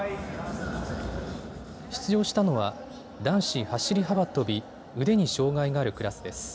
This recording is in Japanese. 出場したのは男子走り幅跳び腕に障害があるクラスです。